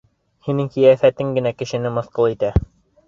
Һинең ҡиәфәтең генә кешене мыҫҡыл итә!